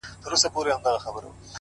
راځه چې بېرته جواري کړو زړونه